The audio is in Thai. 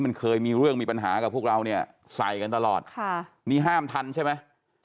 มันเคยมีเรื่องมีปัญหากับพวกเราเนี่ยใส่กันตลอดค่ะนี่ห้ามทันใช่ไหม